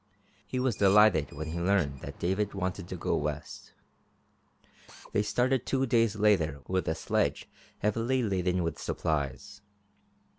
He was delighted when he learned that David wanted to go west. They started two days later with a sledge heavily laden with supplies.